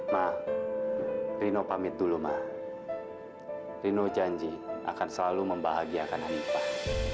ma rino pamit dulu ma rino janji akan selalu membahagiakan hanifah